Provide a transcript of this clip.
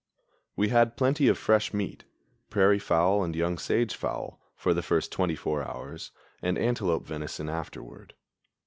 We had plenty of fresh meat prairie fowl and young sage fowl for the first twenty four hours, and antelope venison afterward.